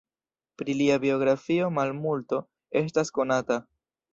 Pri lia biografio malmulto estas konata.